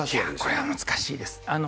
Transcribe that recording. これは難しいです。